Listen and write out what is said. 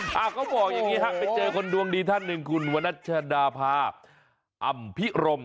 เขาบอกอย่างนี้ฮะไปเจอคนดวงดีท่านหนึ่งคุณวนัชดาภาอำพิรม